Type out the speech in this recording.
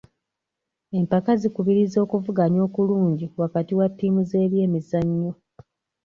Empaka zikubiriza okuvuganya okulungi wakati wa ttiimu z'ebyemizannyo.